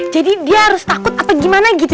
jadi dia harus takut apa gimana gitu